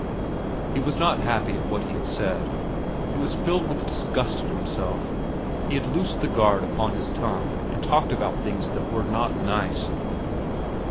He was not happy at what he had said. He was filled with disgust at himself. He had loosed the guard upon his tongue and talked about things that were not nice.